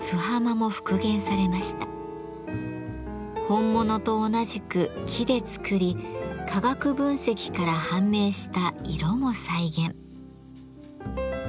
本物と同じく木で作り化学分析から判明した色も再現。